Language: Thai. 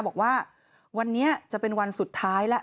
บอกว่าวันนี้จะเป็นวันสุดท้ายแล้ว